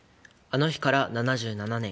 あの日から７７年。